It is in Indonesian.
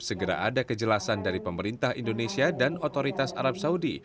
segera ada kejelasan dari pemerintah indonesia dan otoritas arab saudi